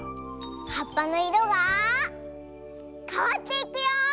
はっぱのいろがかわっていくよ！